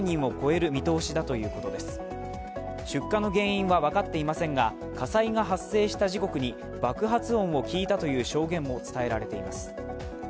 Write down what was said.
出火の原因は分かっていませんが火災が発生した時刻に爆発音を聞いたという証言も伝えられています。